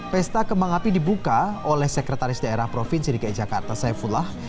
pesta kembang api dibuka oleh sekretaris daerah provinsi dki jakarta saifullah